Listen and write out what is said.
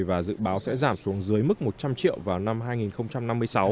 và dự báo sẽ giảm xuống dưới mức một trăm linh triệu vào năm hai nghìn năm mươi sáu